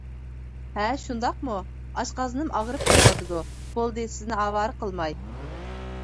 -ھە، شۇنداقمۇ؟ ئاشقازىنىم ئاغرىپ كېتىۋاتىدۇ، بولدى سىزنى ئاۋارە قىلماي.